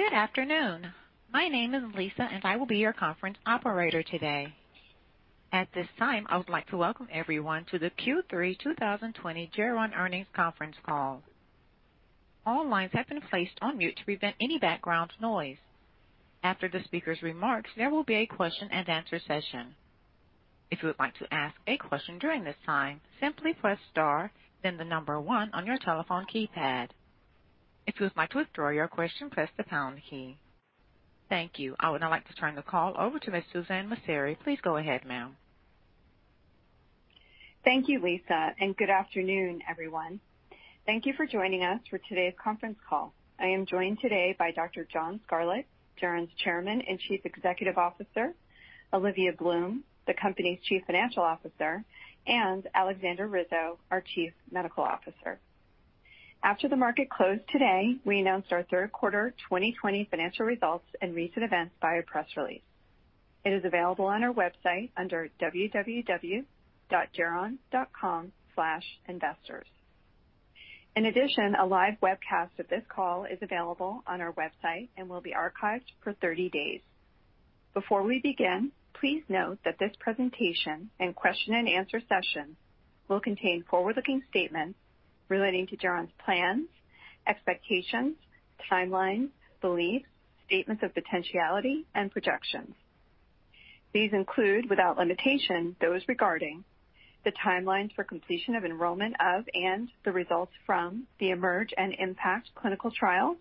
Good afternoon. My name is Lisa, and I will be your conference operator today. At this time, I would like to welcome everyone to the Q3 2020 Geron Earnings Conference Call. All lines have been placed on mute to prevent any background noise. After the speaker's remarks, there will be a question-and-answer session. If you would like to ask a question during this time, simply press star, then the number one on your telephone keypad. If you would like to withdraw your question, press the pound key. Thank you. I would now like to turn the call over to Ms. Suzanne Messere. Please go ahead, ma'am. Thank you, Lisa, and good afternoon, everyone. Thank you for joining us for today's conference call. I am joined today by Dr. John Scarlett, Geron's Chairman and Chief Executive Officer; Olivia Bloom, the company's Chief Financial Officer; and Aleksandra Rizo, our Chief Medical Officer. After the market closed today, we announced our third quarter 2020 financial results and recent events by a press release. It is available on our website under www.geron.com/investors. In addition, a live webcast of this call is available on our website and will be archived for 30 days. Before we begin, please note that this presentation and question-and-answer session will contain forward-looking statements relating to Geron's plans, expectations, timelines, beliefs, statements of potentiality, and projections. These include, without limitation, those regarding the timelines for completion of enrollment of and the results from the Emerge and IMpact clinical trials,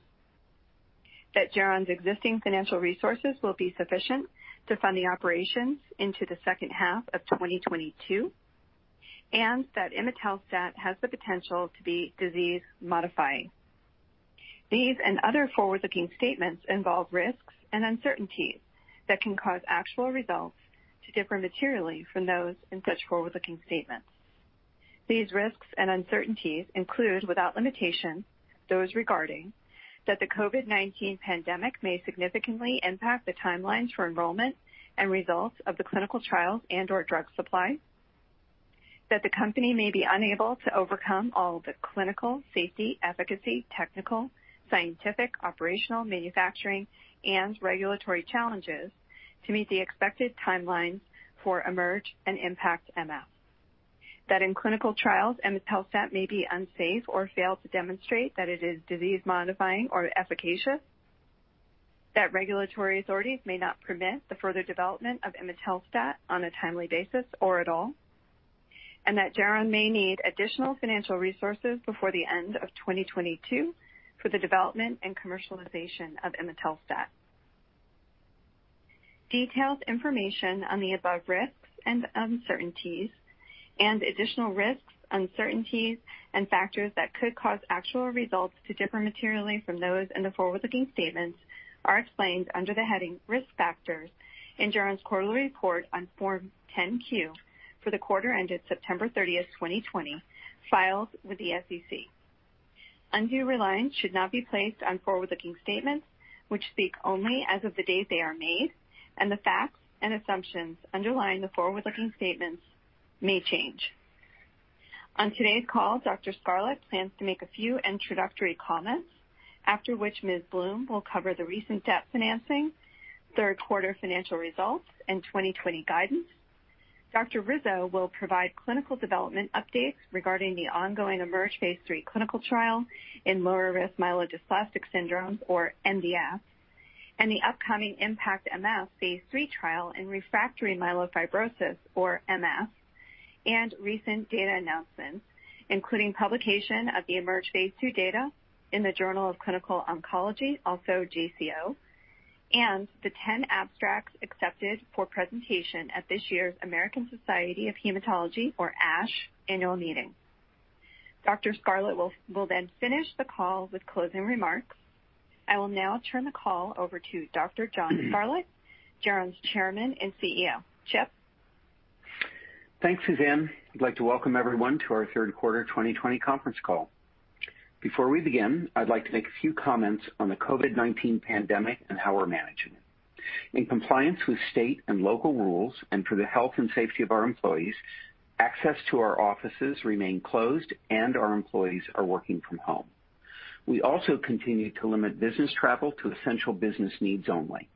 that Geron's existing financial resources will be sufficient to fund the operations into the second half of 2022, and that Imetelstat has the potential to be disease-modifying. These and other forward-looking statements involve risks and uncertainties that can cause actual results to differ materially from those in such forward-looking statements. These risks and uncertainties include, without limitation, those regarding that the COVID-19 pandemic may significantly impact the timelines for enrollment and results of the clinical trials and/or drug supply. That the company may be unable to overcome all the clinical, safety, efficacy, technical, scientific, operational, manufacturing, and regulatory challenges to meet the expected timelines for IMerge and IMpactMF. That in clinical trials, Imetelstat may be unsafe or fail to demonstrate that it is disease-modifying or efficacious. That regulatory authorities may not permit the further development of Imetelstat on a timely basis or at all. That Geron may need additional financial resources before the end of 2022 for the development and commercialization of Imetelstat. Detailed information on the above risks and uncertainties, and additional risks, uncertainties, and factors that could cause actual results to differ materially from those in the forward-looking statements, are explained under the heading Risk Factors in Geron's quarterly report on Form 10-Q for the quarter ended September 30, 2020, filed with the SEC. Undue reliance should not be placed on forward-looking statements, which speak only as of the date they are made, and the facts and assumptions underlying the forward-looking statements may change. On today's call, Dr. Scarlett plans to make a few introductory comments, after which Ms. Bloom will cover the recent debt financing, third quarter financial results, and 2020 guidance. Dr. Rizo will provide clinical development updates regarding the ongoing Emerge phase III clinical trial in lower-risk myelodysplastic syndrome, or MDS, and the upcoming IMpactMF phase III trial in refractory myelofibrosis, or MF, and recent data announcements, including publication of the Emerge phase II data in the Journal of Clinical Oncology, also JCO, and the 10 abstracts accepted for presentation at this year's American Society of Hematology, or ASH, annual meeting. Dr. Scarlett will then finish the call with closing remarks. I will now turn the call over to Dr. John Scarlett, Geron's Chairman and CEO. Chip. Thanks, Suzanne. I'd like to welcome everyone to our third quarter 2020 conference call. Before we begin, I'd like to make a few comments on the COVID-19 pandemic and how we're managing it. In compliance with state and local rules and for the health and safety of our employees, access to our offices remained closed, and our employees are working from home. We also continue to limit business travel to essential business needs only.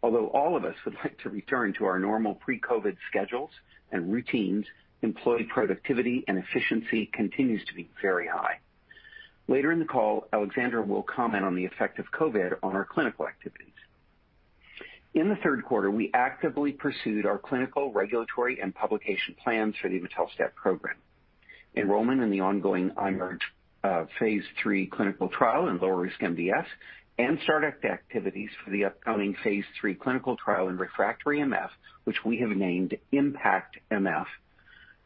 Although all of us would like to return to our normal pre-COVID schedules and routines, employee productivity and efficiency continues to be very high. Later in the call, Aleksandra will comment on the effect of COVID on our clinical activities. In the third quarter, we actively pursued our clinical, regulatory, and publication plans for the Imetelstat program. Enrollment in the ongoing IMerge phase III clinical trial in lower-risk MDS and startup activities for the upcoming phase III clinical trial in refractory MF, which we have named IMpactMF,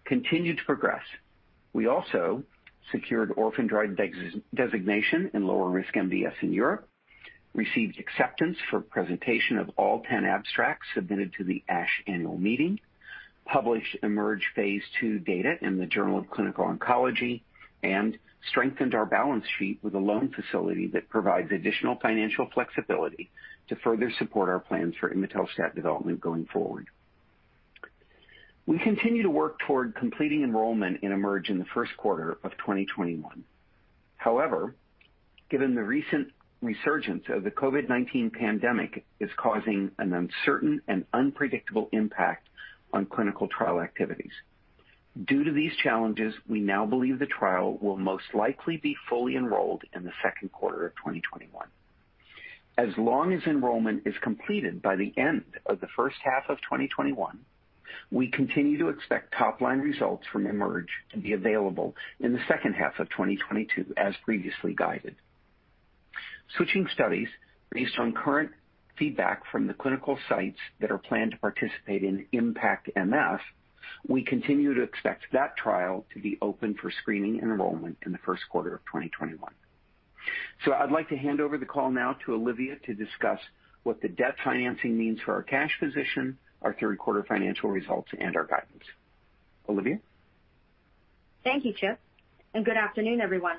continued to progress. We also secured orphan drug designation in lower-risk MDS in Europe, received acceptance for presentation of all 10 abstracts submitted to the ASH annual meeting, published IMerge phase II data in the Journal of Clinical Oncology, and strengthened our balance sheet with a loan facility that provides additional financial flexibility to further support our plans for Imetelstat development going forward. We continue to work toward completing enrollment in IMerge in the first quarter of 2021. However, given the recent resurgence of the COVID-19 pandemic, it is causing an uncertain and unpredictable impact on clinical trial activities. Due to these challenges, we now believe the trial will most likely be fully enrolled in the second quarter of 2021. As long as enrollment is completed by the end of the first half of 2021, we continue to expect top-line results from Emerge to be available in the second half of 2022, as previously guided. Switching studies, based on current feedback from the clinical sites that are planned to participate in IMpactMF, we continue to expect that trial to be open for screening and enrollment in the first quarter of 2021. I would like to hand over the call now to Olivia to discuss what the debt financing means for our cash position, our third quarter financial results, and our guidance. Olivia? Thank you, Chip. Good afternoon, everyone.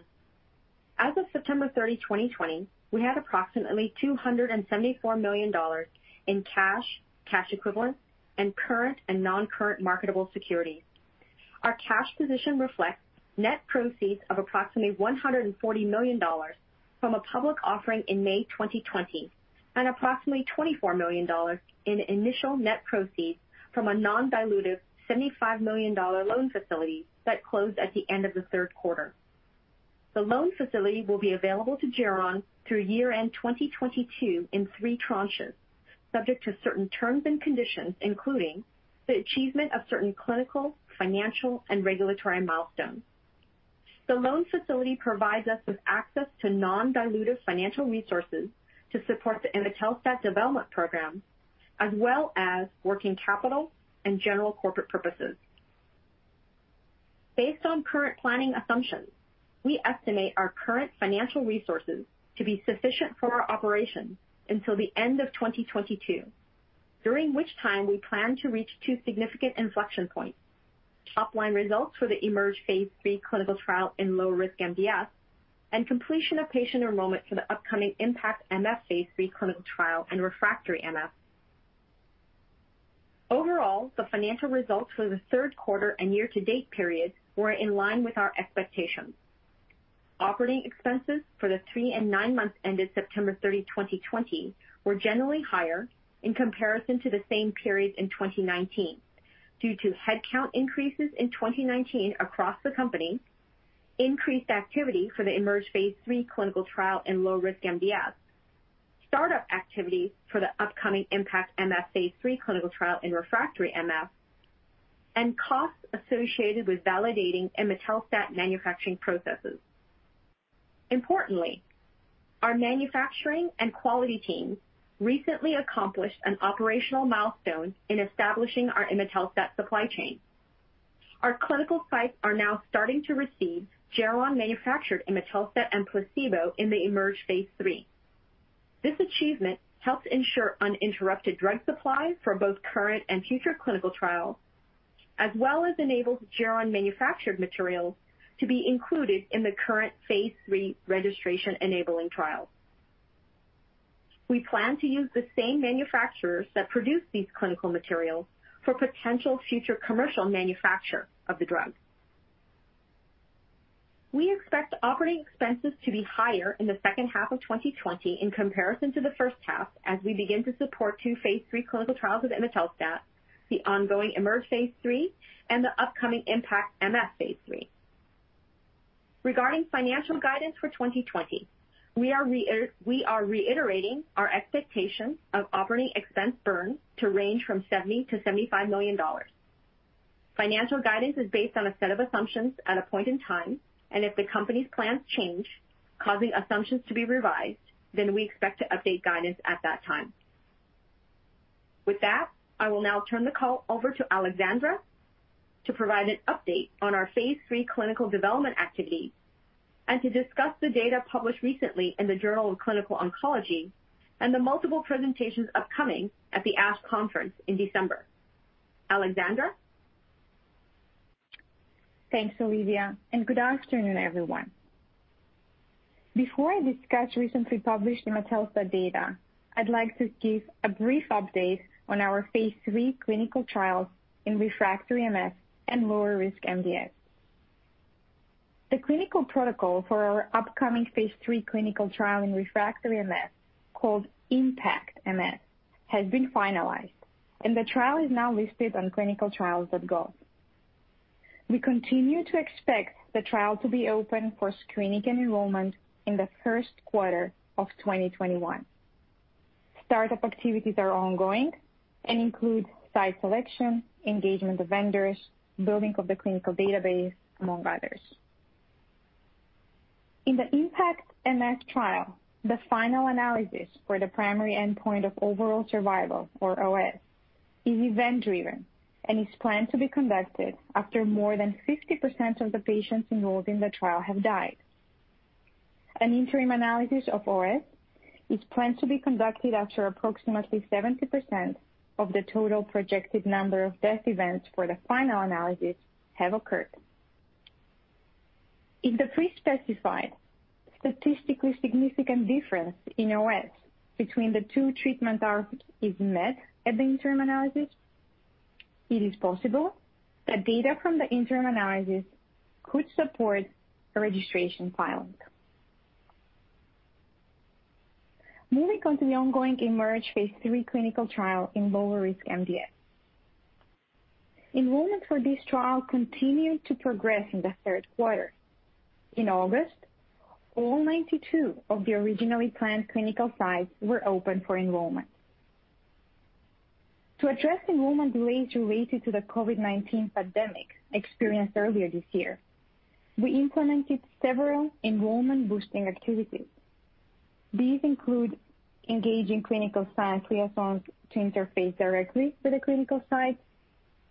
As of September 30, 2020, we had approximately $274 million in cash, cash equivalents, and current and non-current marketable securities. Our cash position reflects net proceeds of approximately $140 million from a public offering in May 2020 and approximately $24 million in initial net proceeds from a non-dilutive $75 million loan facility that closed at the end of the third quarter. The loan facility will be available to Geron through year-end 2022 in three tranches, subject to certain terms and conditions, including the achievement of certain clinical, financial, and regulatory milestones. The loan facility provides us with access to non-dilutive financial resources to support the Imetelstat development program, as well as working capital and general corporate purposes. Based on current planning assumptions, we estimate our current financial resources to be sufficient for our operations until the end of 2022, during which time we plan to reach two significant inflection points: top-line results for the IMerge phase III clinical trial in lower-risk MDS and completion of patient enrollment for the upcoming IMpactMF phase III clinical trial in refractory MF. Overall, the financial results for the third quarter and year-to-date period were in line with our expectations. Operating expenses for the three and nine months ended September 30, 2020, were generally higher in comparison to the same period in 2019 due to headcount increases in 2019 across the company, increased activity for the IMerge phase III clinical trial in lower-risk MDS, startup activities for the upcoming IMpactMF phase III clinical trial in refractory MF, and costs associated with validating Imetelstat manufacturing processes. Importantly, our manufacturing and quality teams recently accomplished an operational milestone in establishing our Imetelstat supply chain. Our clinical sites are now starting to receive Geron-manufactured Imetelstat and placebo in the IMerge phase III. This achievement helps ensure uninterrupted drug supply for both current and future clinical trials, as well as enables Geron-manufactured materials to be included in the current phase III registration enabling trials. We plan to use the same manufacturers that produce these clinical materials for potential future commercial manufacture of the drug. We expect operating expenses to be higher in the second half of 2020 in comparison to the first half as we begin to support two phase III clinical trials with Imetelstat, the ongoing IMerge phase III, and the upcoming IMpactMF phase III. Regarding financial guidance for 2020, we are reiterating our expectation of operating expense burn to range from $70-$75 million. Financial guidance is based on a set of assumptions at a point in time, and if the company's plans change, causing assumptions to be revised, then we expect to update guidance at that time. With that, I will now turn the call over to Aleksandra to provide an update on our phase III clinical development activities and to discuss the data published recently in the Journal of Clinical Oncology and the multiple presentations upcoming at the ASH conference in December. Aleksandra? Thanks, Olivia. Good afternoon, everyone. Before I discuss recently published Imetelstat data, I'd like to give a brief update on our phase III clinical trials in refractory MF and lower-risk MDS. The clinical protocol for our upcoming phase III clinical trial in refractory MF, called IMpactMF, has been finalized, and the trial is now listed on clinicaltrials.gov. We continue to expect the trial to be open for screening and enrollment in the first quarter of 2021. Startup activities are ongoing and include site selection, engagement of vendors, building of the clinical database, among others. In the IMpactMF trial, the final analysis for the primary endpoint of overall survival, or OS, is event-driven and is planned to be conducted after more than 50% of the patients involved in the trial have died. An interim analysis of OS is planned to be conducted after approximately 70% of the total projected number of death events for the final analysis have occurred. If the pre-specified statistically significant difference in OS between the two treatment arms is met at the interim analysis, it is possible that data from the interim analysis could support registration filing. Moving on to the ongoing Emerge phase III clinical trial in lower-risk MDS. Enrollment for this trial continued to progress in the third quarter. In August, all 92 of the originally planned clinical sites were open for enrollment. To address enrollment delays related to the COVID-19 pandemic experienced earlier this year, we implemented several enrollment-boosting activities. These include engaging clinical science liaisons to interface directly with the clinical sites,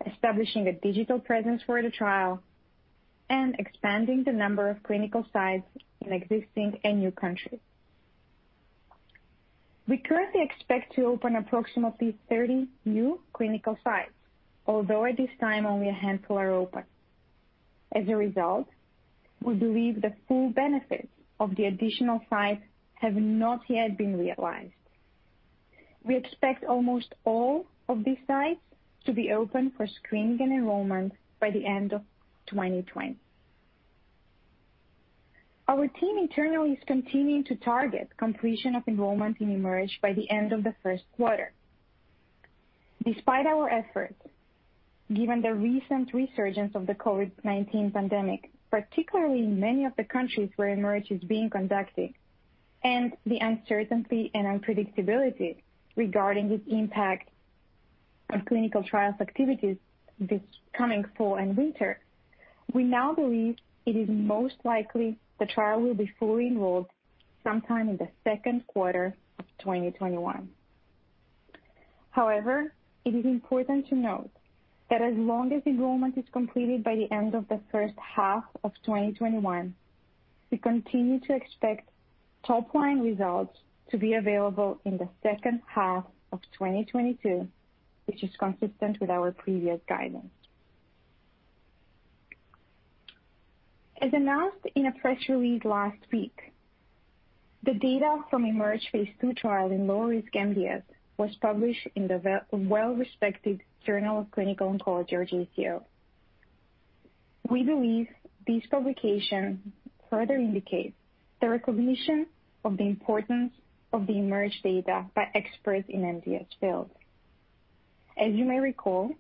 establishing a digital presence for the trial, and expanding the number of clinical sites in existing and new countries. We currently expect to open approximately 30 new clinical sites, although at this time only a handful are open. As a result, we believe the full benefits of the additional sites have not yet been realized. We expect almost all of these sites to be open for screening and enrollment by the end of 2020. Our team internally is continuing to target completion of enrollment in Emerge by the end of the first quarter. Despite our efforts, given the recent resurgence of the COVID-19 pandemic, particularly in many of the countries where Emerge is being conducted, and the uncertainty and unpredictability regarding its impact on clinical trials activities this coming fall and winter, we now believe it is most likely the trial will be fully enrolled sometime in the second quarter of 2021. However, it is important to note that as long as enrollment is completed by the end of the first half of 2021, we continue to expect top-line results to be available in the second half of 2022, which is consistent with our previous guidance. As announced in a press release last week, the data from IMerge phase II trial in lower-risk MDS was published in the well-respected Journal of Clinical Oncology, or JCO. We believe this publication further indicates the recognition of the importance of the IMerge data by experts in the MDS field. As you may recall,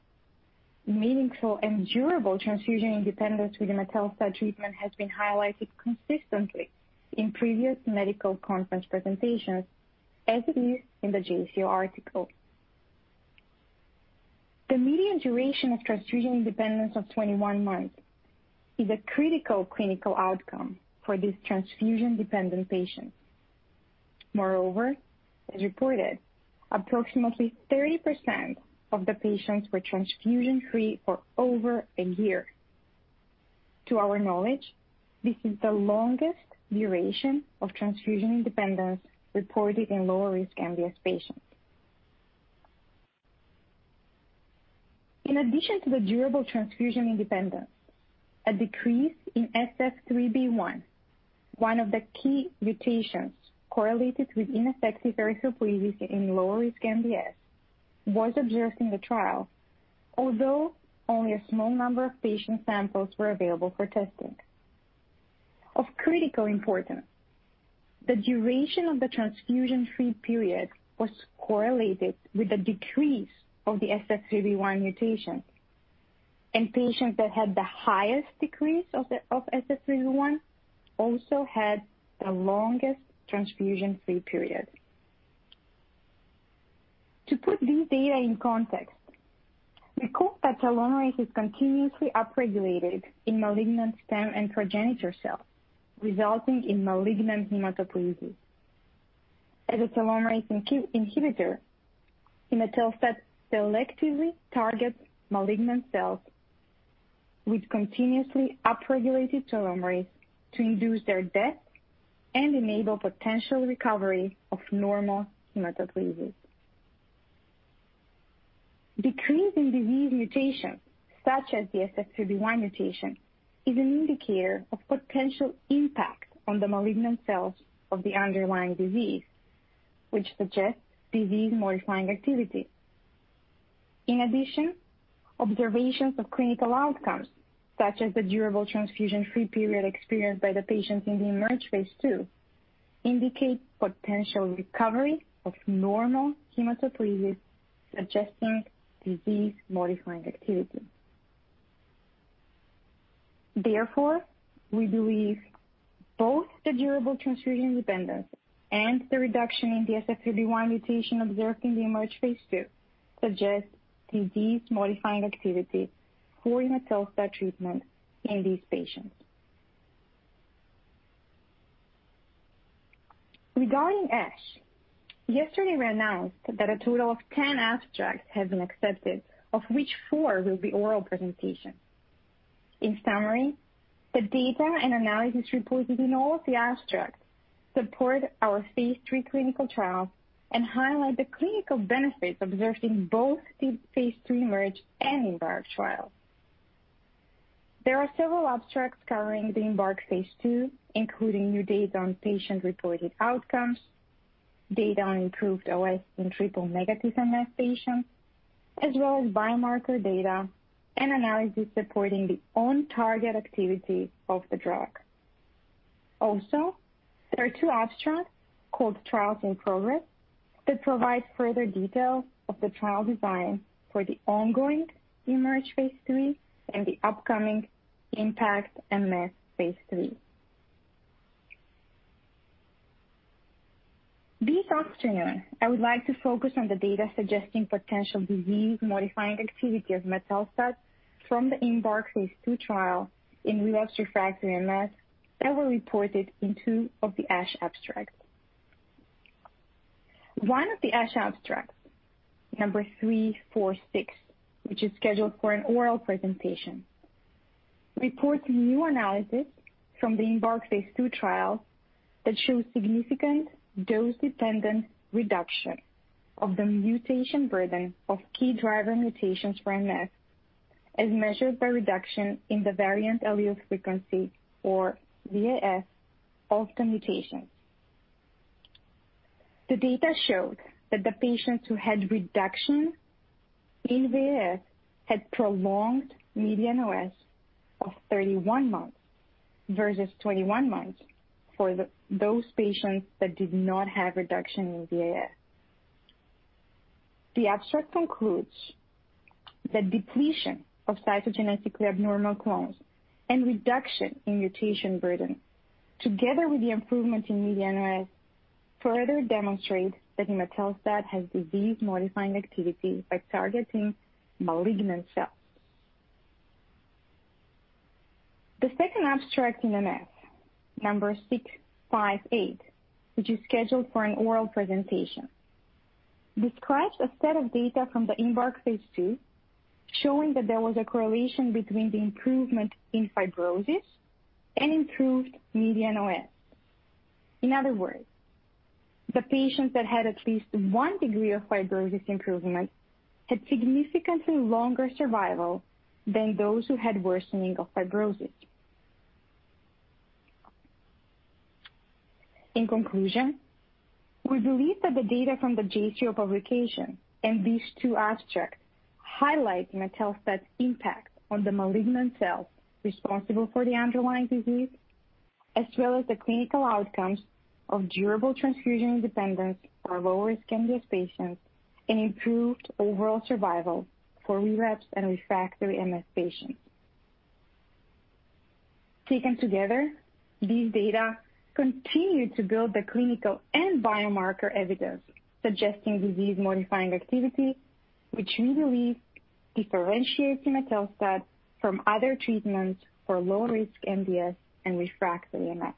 meaningful and durable transfusion independence with Imetelstat treatment has been highlighted consistently in previous medical conference presentations, as it is in the JCO article. The median duration of transfusion independence of 21 months is a critical clinical outcome for these transfusion-dependent patients. Moreover, as reported, approximately 30% of the patients were transfusion-free for over a year. To our knowledge, this is the longest duration of transfusion independence reported in lower-risk MDS patients. In addition to the durable transfusion independence, a decrease in SF3B1, one of the key mutations correlated with ineffective erythropoiesis in lower-risk MDS, was observed in the trial, although only a small number of patient samples were available for testing. Of critical importance, the duration of the transfusion-free period was correlated with the decrease of the SF3B1 mutation, and patients that had the highest decrease of SF3B1 also had the longest transfusion-free period. To put these data in context, we hope that telomerase is continuously upregulated in malignant stem and progenitor cells, resulting in malignant hematopoiesis. As a telomerase inhibitor, Imetelstat selectively targets malignant cells with continuously upregulated telomerase to induce their death and enable potential recovery of normal hematopoiesis. Decrease in disease mutations, such as the SF3B1 mutation, is an indicator of potential impact on the malignant cells of the underlying disease, which suggests disease-modifying activity. In addition, observations of clinical outcomes, such as the durable transfusion-free period experienced by the patients in the IMerge phase II, indicate potential recovery of normal hematopoiesis suggesting disease-modifying activity. Therefore, we believe both the durable transfusion independence and the reduction in the SF3B1 mutation observed in the IMerge phase II suggest disease-modifying activity for Imetelstat treatment in these patients. Regarding ASH, yesterday we announced that a total of 10 abstracts have been accepted, of which four will be oral presentations. In summary, the data and analysis reported in all of the abstracts support our phase III clinical trials and highlight the clinical benefits observed in both phase III IMerge and IMbark trials. There are several abstracts covering the IMbark phase II, including new data on patient-reported outcomes, data on improved OS in triple-negative MF patients, as well as biomarker data and analysis supporting the on-target activity of the drug. Also, there are two abstracts called Trials in Progress that provide further detail of the trial design for the ongoing IMerge phase III and the upcoming IMpactMF phase III. This afternoon, I would like to focus on the data suggesting potential disease-modifying activity of Imetelstat from the IMbark phase II trial in relapsed refractory MF that were reported in two of the ASH abstracts. One of the ASH abstracts, number 346, which is scheduled for an oral presentation, reports new analysis from the IMbark phase II trial that shows significant dose-dependent reduction of the mutation burden of key driver mutations for MF, as measured by reduction in the variant allele frequency, or VAF, of the mutations. The data showed that the patients who had reduction in VAF had prolonged median OS of 31 months versus 21 months for those patients that did not have reduction in VAF. The abstract concludes that depletion of cytogenetically abnormal clones and reduction in mutation burden, together with the improvement in median OS, further demonstrate that Imetelstat has disease-modifying activity by targeting malignant cells. The second abstract in MF, number 658, which is scheduled for an oral presentation, describes a set of data from the IMbark phase II showing that there was a correlation between the improvement in fibrosis and improved median OS. In other words, the patients that had at least one degree of fibrosis improvement had significantly longer survival than those who had worsening of fibrosis. In conclusion, we believe that the data from the JCO publication and these two abstracts highlight Imetelstat's impact on the malignant cells responsible for the underlying disease, as well as the clinical outcomes of durable transfusion independence for lower-risk MDS patients and improved overall survival for relapsed and refractory MF patients. Taken together, these data continue to build the clinical and biomarker evidence suggesting disease-modifying activity, which we believe differentiates Imetelstat from other treatments for low-risk MDS and refractory MF.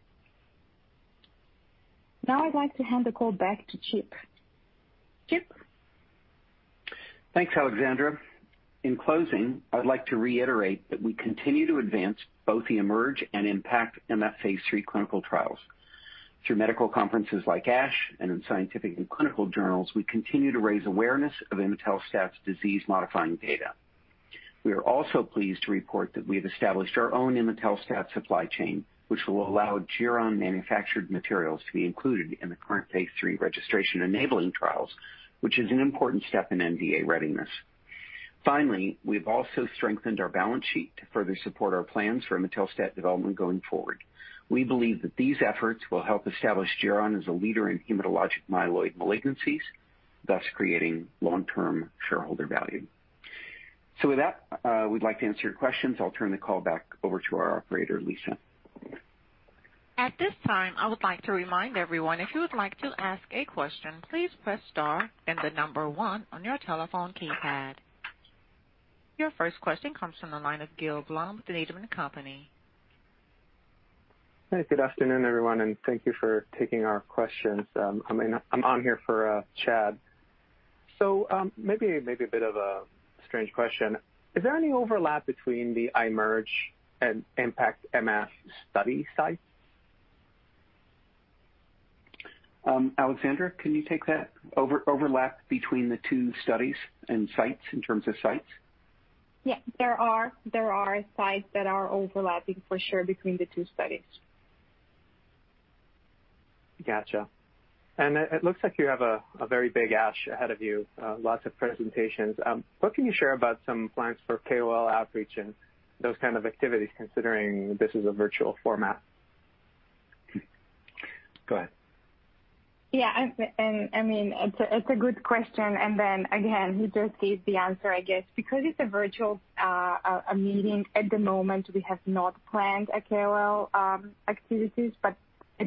Now I'd like to hand the call back to Chip. Chip? Thanks, Aleksandra. In closing, I'd like to reiterate that we continue to advance both the IMerge and IMpactMF phase III clinical trials. Through medical conferences like ASH and in scientific and clinical journals, we continue to raise awareness of Imetelstat's disease-modifying data. We are also pleased to report that we have established our own Imetelstat supply chain, which will allow Geron-manufactured materials to be included in the current phase III registration enabling trials, which is an important step in NDA readiness. Finally, we have also strengthened our balance sheet to further support our plans for Imetelstat development going forward. We believe that these efforts will help establish Geron as a leader in hematologic myeloid malignancies, thus creating long-term shareholder value. With that, we'd like to answer your questions. I'll turn the call back over to our operator, Lisa. At this time, I would like to remind everyone, if you would like to ask a question, please press star and the number one on your telephone keypad. Your first question comes from the line of Gil Blum, the Needham & Company. Hi, good afternoon, everyone, and thank you for taking our questions. I'm on here for a chat. Maybe a bit of a strange question. Is there any overlap between the IMerge and IMpactMF study sites? Aleksandra, can you take that? Overlap between the two studies and sites in terms of sites? Yeah, there are sites that are overlapping for sure between the two studies. Gotcha. It looks like you have a very big ASH ahead of you, lots of presentations. What can you share about some plans for KOL outreach and those kinds of activities, considering this is a virtual format? Go ahead. Yeah, I mean, it's a good question. He just gave the answer, I guess. Because it's a virtual meeting at the moment, we have not planned a KOL activities, but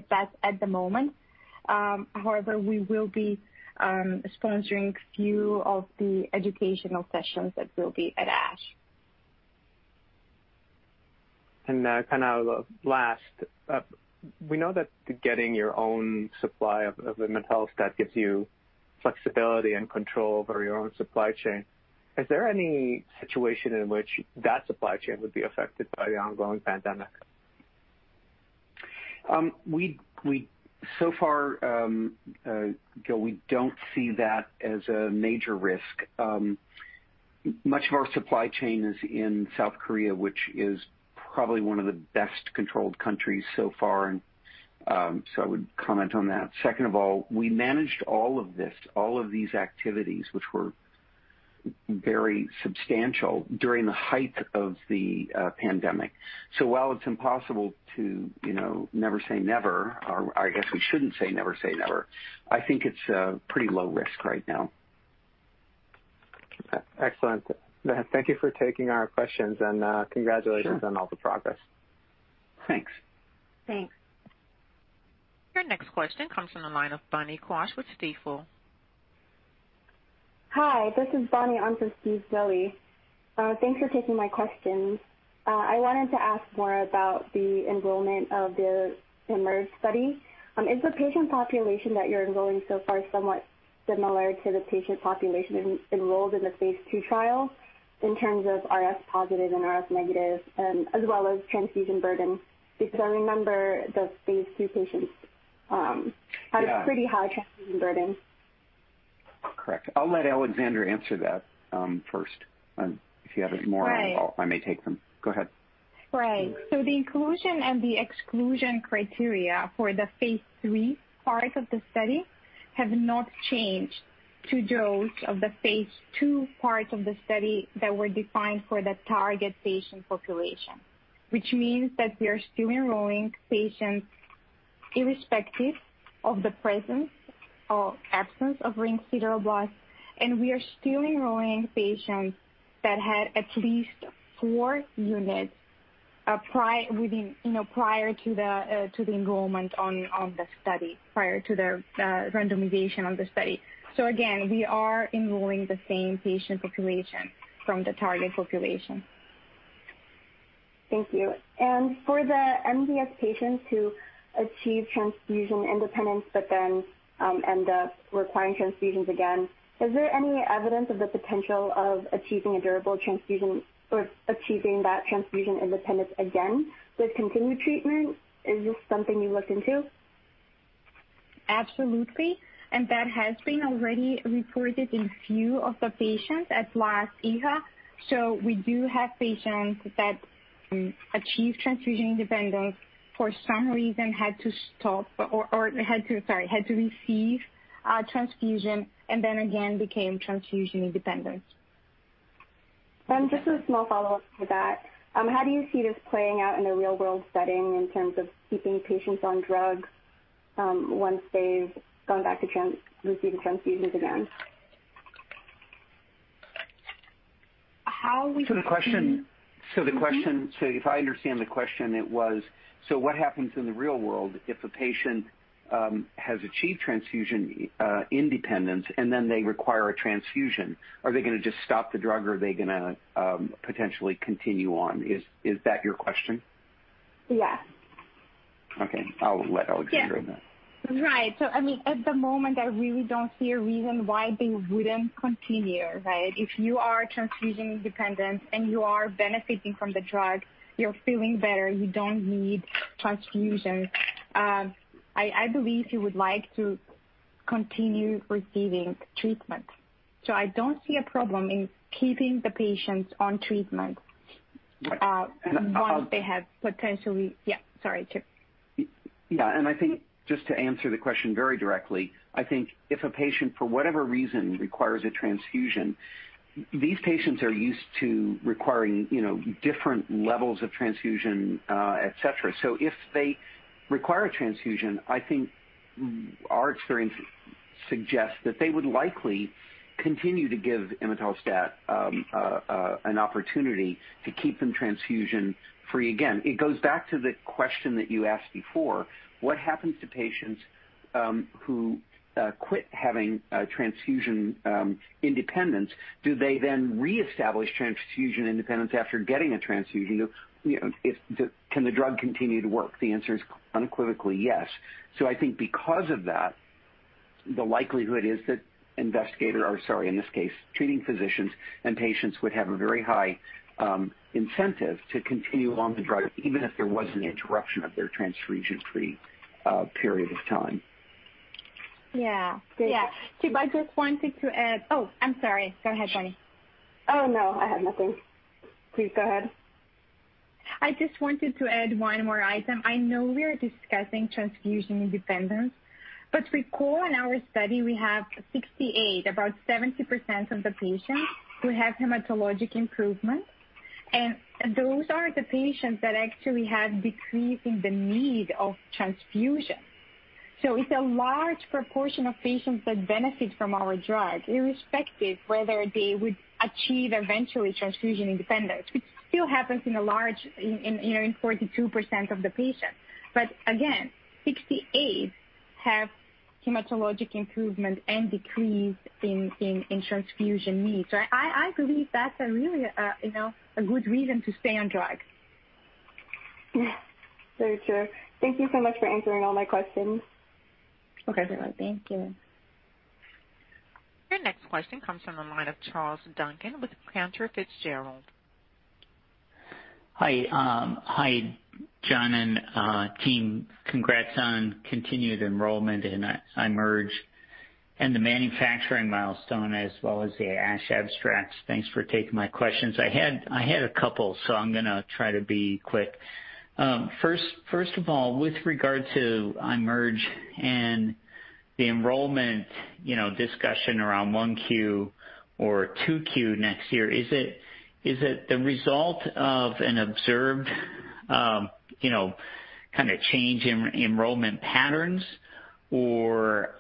that's at the moment. However, we will be sponsoring a few of the educational sessions that will be at ASH. Kind of last, we know that getting your own supply of Imetelstat gives you flexibility and control over your own supply chain. Is there any situation in which that supply chain would be affected by the ongoing pandemic? Gil, we don't see that as a major risk. Much of our supply chain is in South Korea, which is probably one of the best-controlled countries so far, and so I would comment on that. Second of all, we managed all of this, all of these activities, which were very substantial during the height of the pandemic. While it's impossible to never say never, or I guess we shouldn't say never say never, I think it's pretty low risk right now. Excellent. Thank you for taking our questions, and congratulations on all the progress. Thanks. Thanks. Your next question comes from the line of Bonnie Quach with Stifel. Hi, this is Bonnie. I'm from Stifel. Thanks for taking my question. I wanted to ask more about the enrollment of the Emerge study. Is the patient population that you're enrolling so far somewhat similar to the patient population enrolled in the phase II trial in terms of RS positive and RS negative, as well as transfusion burden? Because I remember the phase II patients had a pretty high transfusion burden. Correct. I'll let Aleksandra answer that first. If you have it more on, I may take them. Go ahead. Right. The inclusion and the exclusion criteria for the phase III part of the study have not changed to those of the phase II part of the study that were defined for the target patient population, which means that we are still enrolling patients irrespective of the presence or absence of ring sideroblasts, and we are still enrolling patients that had at least four units prior to the enrollment on the study, prior to the randomization on the study. Again, we are enrolling the same patient population from the target population. Thank you. For the MDS patients who achieve transfusion independence but then end up requiring transfusions again, is there any evidence of the potential of achieving a durable transfusion or achieving that transfusion independence again with continued treatment? Is this something you looked into? Absolutely. That has been already reported in a few of the patients at last ASH. We do have patients that achieved transfusion independence, for some reason had to stop or had to, sorry, had to receive transfusion and then again became transfusion independent. Just a small follow-up to that. How do you see this playing out in a real-world setting in terms of keeping patients on drugs once they've gone back to receiving transfusions again? How we can see. If I understand the question, it was, so what happens in the real world if a patient has achieved transfusion independence and then they require a transfusion? Are they going to just stop the drug or are they going to potentially continue on? Is that your question? Yes. Okay. I'll let Aleksandra know. Right. I mean, at the moment, I really don't see a reason why they wouldn't continue, right? If you are transfusion independent and you are benefiting from the drug, you're feeling better, you don't need transfusions, I believe you would like to continue receiving treatment. I don't see a problem in keeping the patients on treatment once they have potentially—yeah, sorry, Chip. Yeah. I think just to answer the question very directly, I think if a patient for whatever reason requires a transfusion, these patients are used to requiring different levels of transfusion, etc. If they require a transfusion, I think our experience suggests that they would likely continue to give Imetelstat an opportunity to keep them transfusion-free again. It goes back to the question that you asked before. What happens to patients who quit having transfusion independence? Do they then reestablish transfusion independence after getting a transfusion? Can the drug continue to work? The answer is unequivocally yes. I think because of that, the likelihood is that investigator, or sorry, in this case, treating physicians and patients would have a very high incentive to continue on the drug even if there was an interruption of their transfusion-free period of time. Yeah. Yeah. Chip, I just wanted to add, oh, I'm sorry. Go ahead, Bonnie. Oh, no. I have nothing. Please go ahead. I just wanted to add one more item. I know we are discussing transfusion independence, but recall in our study we have 68, about 70% of the patients who have hematologic improvement, and those are the patients that actually have decreasing the need of transfusion. It is a large proportion of patients that benefit from our drug, irrespective whether they would achieve eventually transfusion independence, which still happens in a large in 42% of the patients. Again, 68 have hematologic improvement and decrease in transfusion need. I believe that is really a good reason to stay on drugs. Very true. Thank you so much for answering all my questions. Okay. Thank you. Your next question comes from the line of Charles Duncan with Cantor Fitzgerald. Hi, John and team. Congrats on continued enrollment in IMerge and the manufacturing milestone as well as the ASH abstracts. Thanks for taking my questions. I had a couple, so I'm going to try to be quick. First of all, with regard to IMerge and the enrollment discussion around 1Q or 2Q next year, is it the result of an observed kind of change in enrollment patterns or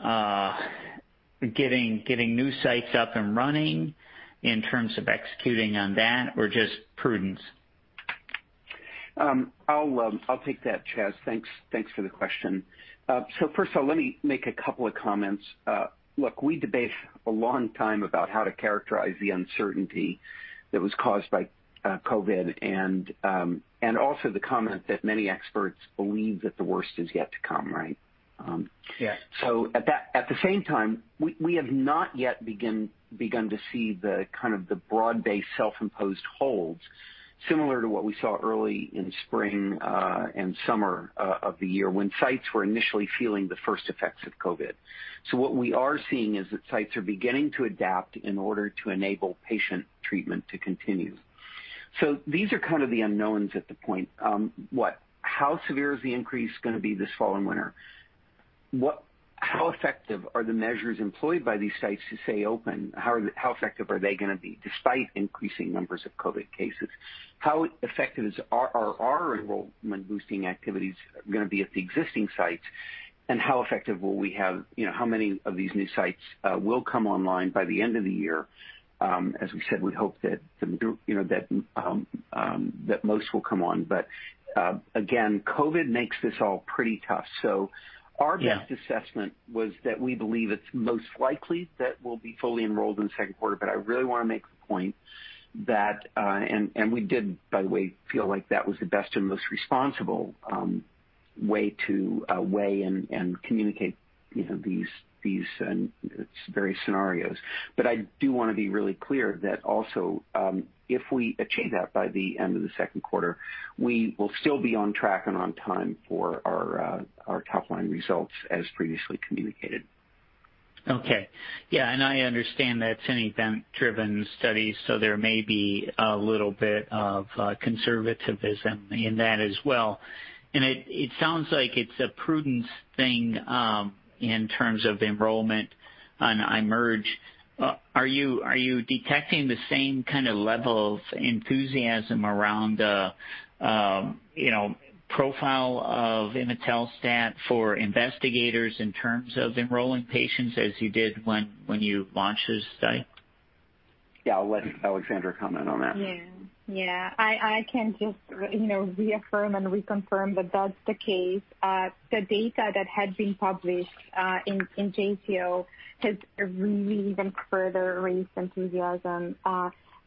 getting new sites up and running in terms of executing on that, or just prudence? I'll take that, Chaz. Thanks for the question. First of all, let me make a couple of comments. Look, we debate a long time about how to characterize the uncertainty that was caused by COVID and also the comment that many experts believe that the worst is yet to come, right? At the same time, we have not yet begun to see the kind of the broad-based self-imposed holds similar to what we saw early in spring and summer of the year when sites were initially feeling the first effects of COVID. What we are seeing is that sites are beginning to adapt in order to enable patient treatment to continue. These are kind of the unknowns at the point. What? How severe is the increase going to be this fall and winter? How effective are the measures employed by these sites to stay open? How effective are they going to be despite increasing numbers of COVID cases? How effective are our enrollment-boosting activities going to be at the existing sites? How effective will we have, how many of these new sites will come online by the end of the year? As we said, we hope that most will come on. COVID makes this all pretty tough. Our best assessment was that we believe it's most likely that we'll be fully enrolled in the second quarter. I really want to make the point that, and we did, by the way, feel like that was the best and most responsible way to weigh and communicate these various scenarios. I do want to be really clear that also if we achieve that by the end of the second quarter, we will still be on track and on time for our top-line results as previously communicated. Okay. Yeah. I understand that's an event-driven study, so there may be a little bit of conservatism in that as well. It sounds like it's a prudence thing in terms of enrollment on IMerge. Are you detecting the same kind of level of enthusiasm around the profile of Imetelstat for investigators in terms of enrolling patients as you did when you launched this study? Yeah. I'll let Aleksandra comment on that. Yeah. Yeah. I can just reaffirm and reconfirm that that's the case. The data that had been published in JCO has really even further raised enthusiasm.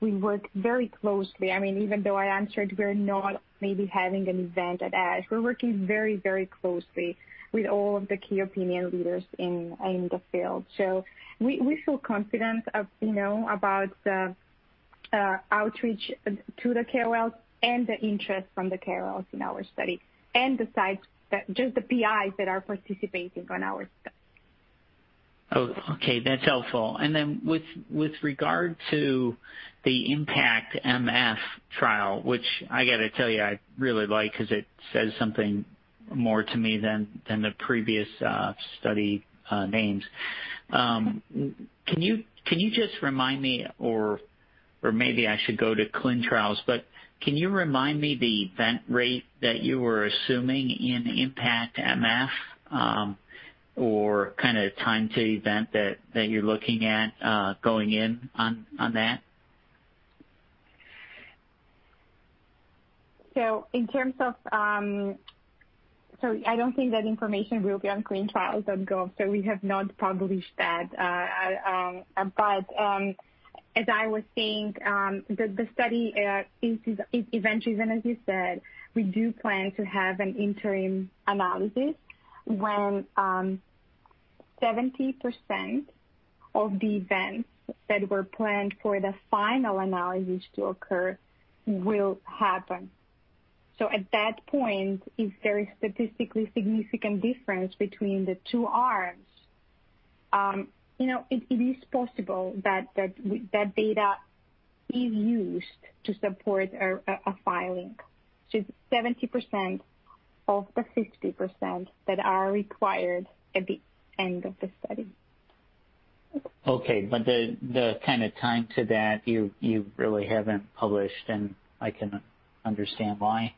We work very closely. I mean, even though I answered we're not maybe having an event at ASH, we're working very, very closely with all of the key opinion leaders in the field. We feel confident about the outreach to the KOLs and the interest from the KOLs in our study and the sites, just the PIs that are participating on our study. Oh, okay. That's helpful. With regard to the IMpactMF trial, which I got to tell you I really like because it says something more to me than the previous study names. Can you just remind me, or maybe I should go to clinical trials, but can you remind me the event rate that you were assuming in IMpactMF or kind of time to event that you're looking at going in on that? In terms of, I don't think that information will be on ClincalTrials.gov. We have not published that. As I was saying, the study is eventually, as you said, we do plan to have an interim analysis when 70% of the events that were planned for the final analysis to occur will happen. At that point, if there is statistically significant difference between the two arms, it is possible that data is used to support a filing. It is 70% of the 50% that are required at the end of the study. Okay. The kind of time to that, you really haven't published, and I can understand why.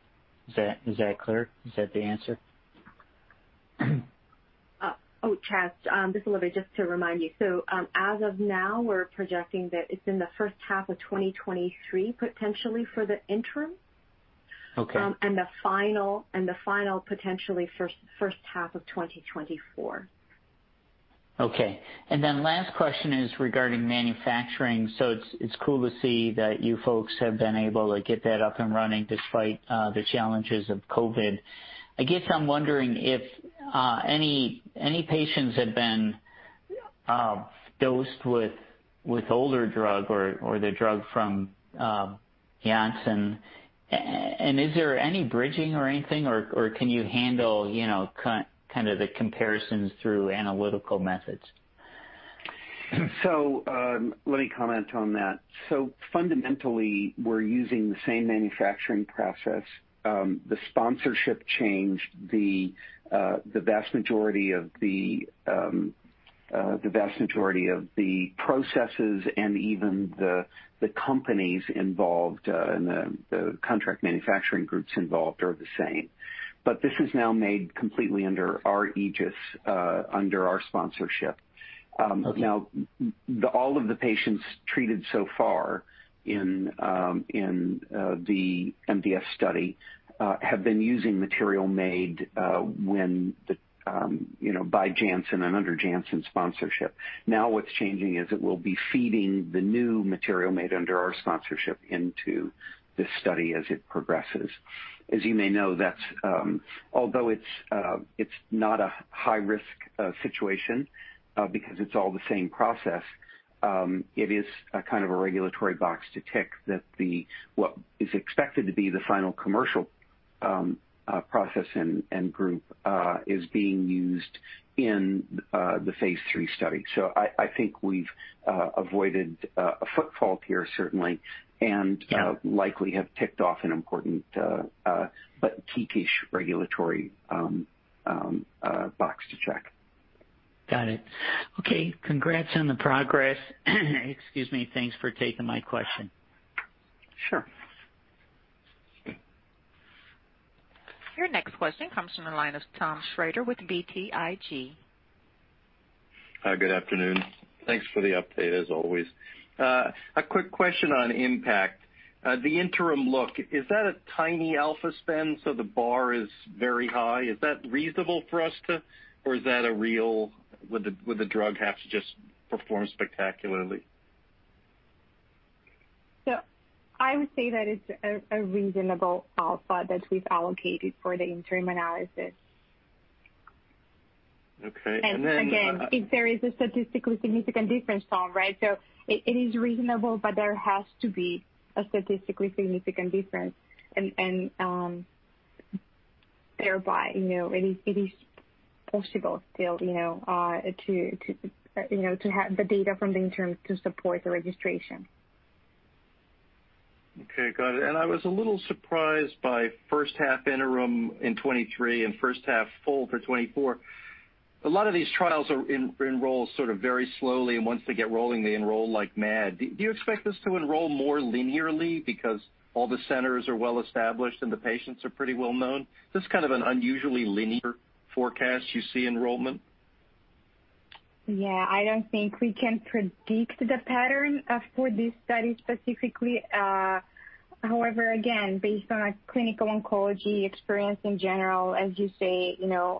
Is that clear? Is that the answer? Oh, Chaz, just a little bit just to remind you. As of now, we're projecting that it's in the first half of 2023 potentially for the interim and the final potentially first half of 2024. Okay. Last question is regarding manufacturing. It's cool to see that you folks have been able to get that up and running despite the challenges of COVID. I guess I'm wondering if any patients have been dosed with older drug or the drug from Janssen, and is there any bridging or anything, or can you handle kind of the comparisons through analytical methods? Let me comment on that. Fundamentally, we're using the same manufacturing process. The sponsorship changed. The vast majority of the processes and even the companies involved and the contract manufacturing groups involved are the same. This is now made completely under our aegis, under our sponsorship. All of the patients treated so far in the MDS study have been using material made by Janssen and under Janssen sponsorship. What's changing is it will be feeding the new material made under our sponsorship into this study as it progresses. As you may know, although it's not a high-risk situation because it's all the same process, it is kind of a regulatory box to tick that what is expected to be the final commercial process and group is being used in the phase III study. I think we've avoided a footfall here, certainly, and likely have ticked off an important but key-ish regulatory box to check. Got it. Okay. Congrats on the progress. Excuse me. Thanks for taking my question. Sure. Your next question comes from the line of Tom Shrader with BTIG. Hi, good afternoon. Thanks for the update, as always. A quick question on IMpact. The interim look, is that a tiny alpha spend? The bar is very high. Is that reasonable for us to, or is that a real, would the drug have to just perform spectacularly? I would say that it's a reasonable alpha that we've allocated for the interim analysis. Okay. Then. If there is a statistically significant difference, Tom, right? It is reasonable, but there has to be a statistically significant difference, and thereby it is possible still to have the data from the interim to support the registration. Okay. Got it. I was a little surprised by first half interim in 2023 and first half full for 2024. A lot of these trials enroll sort of very slowly, and once they get rolling, they enroll like mad. Do you expect this to enroll more linearly because all the centers are well established and the patients are pretty well known? Just kind of an unusually linear forecast you see enrollment? Yeah. I don't think we can predict the pattern for this study specifically. However, again, based on clinical oncology experience in general, as you say,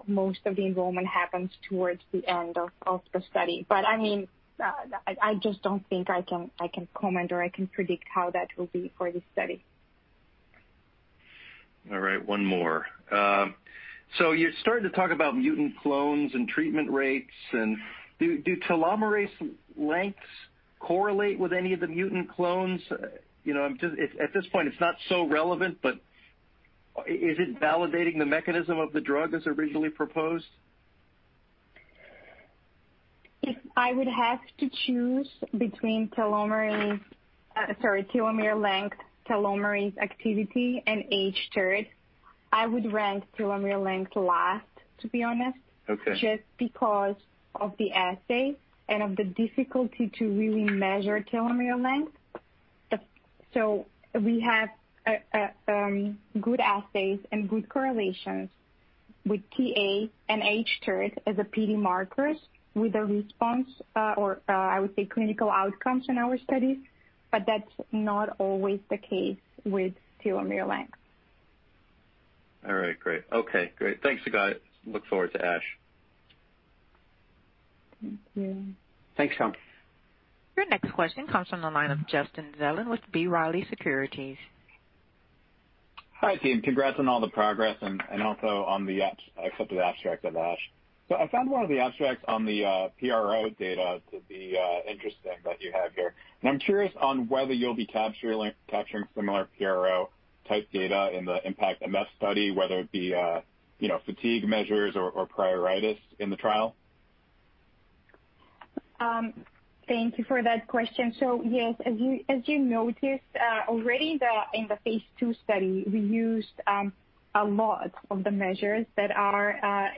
most of the enrollment happens towards the end of the study. I mean, I just don't think I can comment or I can predict how that will be for this study. All right. One more. You started to talk about mutant clones and treatment rates. Do telomerase lengths correlate with any of the mutant clones? At this point, it's not so relevant, but is it validating the mechanism of the drug as originally proposed? If I would have to choose between telomerase, sorry, telomere length, telomerase activity, and age tert, I would rank telomere length last, to be honest, just because of the assay and of the difficulty to really measure telomere length. We have good assays and good correlations with TA and age tert as the PD markers with the response or, I would say, clinical outcomes in our studies. That's not always the case with telomere length. All right. Great. Okay. Great. Thanks, guys. Look forward to ASH. Thank you. Thanks, Tom. Your next question comes from the line of Justin Dillon with B Riley Securities. Hi, team. Congrats on all the progress and also on a couple of the abstracts at ASH. I found one of the abstracts on the PRO data to be interesting that you have here. I'm curious on whether you'll be capturing similar PRO-type data in the IMpactMF study, whether it be fatigue measures or priorities in the trial? Thank you for that question. Yes, as you noticed already in the phase II study, we used a lot of the measures that are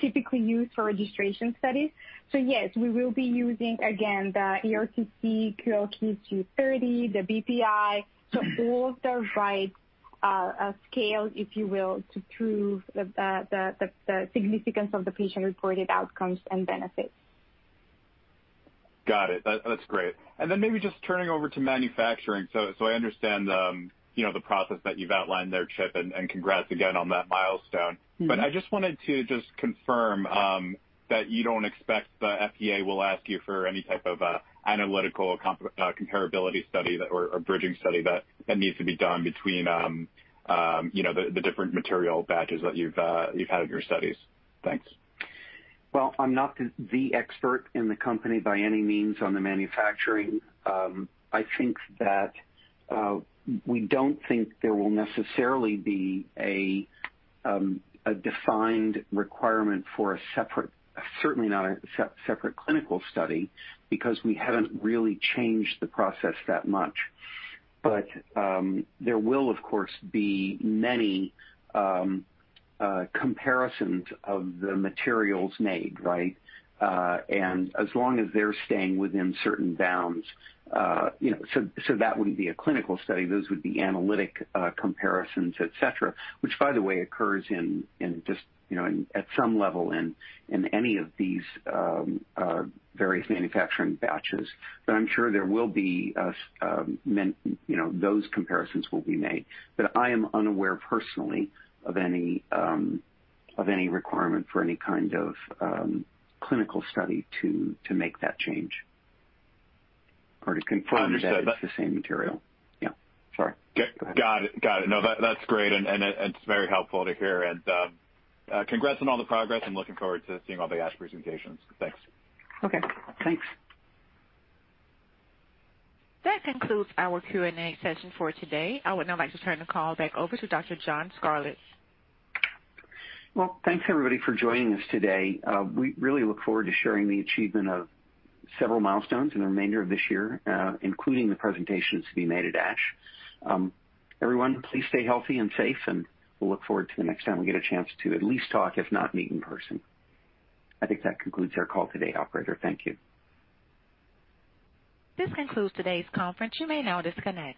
typically used for registration studies. Yes, we will be using, again, the ERTC, QLQ230, the BPI. All of the right scales, if you will, to prove the significance of the patient-reported outcomes and benefits. Got it. That's great. Maybe just turning over to manufacturing. I understand the process that you've outlined there, Chip, and congrats again on that milestone. I just wanted to confirm that you don't expect the FDA will ask you for any type of analytical comparability study or bridging study that needs to be done between the different material batches that you've had in your studies. Thanks. I'm not the expert in the company by any means on the manufacturing. I think that we don't think there will necessarily be a defined requirement for a separate, certainly not a separate clinical study because we haven't really changed the process that much. There will, of course, be many comparisons of the materials made, right? As long as they're staying within certain bounds. That wouldn't be a clinical study. Those would be analytic comparisons, etc., which, by the way, occurs at some level in any of these various manufacturing batches. I'm sure those comparisons will be made. I am unaware personally of any requirement for any kind of clinical study to make that change or to confirm that it's the same material. Yeah. Sorry. Got it. Got it. No, that's great. It's very helpful to hear. Congrats on all the progress. I'm looking forward to seeing all the ASH presentations. Thanks. Okay. Thanks. That concludes our Q&A session for today. I would now like to turn the call back over to Dr. John Scarlett. Thanks, everybody, for joining us today. We really look forward to sharing the achievement of several milestones in the remainder of this year, including the presentations to be made at ASH. Everyone, please stay healthy and safe, and we'll look forward to the next time we get a chance to at least talk, if not meet in person. I think that concludes our call today, Operator. Thank you. This concludes today's conference. You may now disconnect.